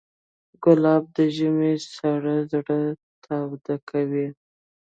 ګلاب د ژمي سړه زړه تاوده کوي.